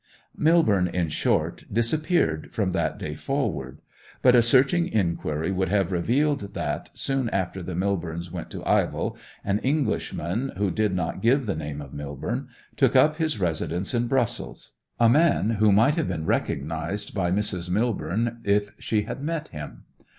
Millborne, in short, disappeared from that day forward. But a searching inquiry would have revealed that, soon after the Millbornes went to Ivell, an Englishman, who did not give the name of Millborne, took up his residence in Brussels; a man who might have been recognized by Mrs. Millborne if she had met him.